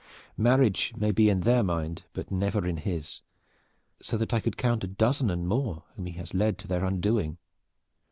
Marriage may be in their mind, but never in his, so that I could count a dozen and more whom he has led to their undoing.